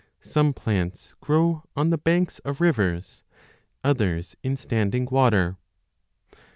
1 820 a Some plants grow on the banks of rivers, others in standing water.